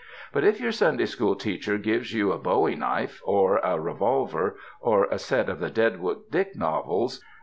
But if your Sunday school teacher gives you a bowie knife or a revolver or a set of the Deadwood Dick novels!